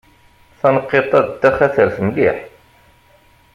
Taneqqiṭ-a d taxatart mliḥ.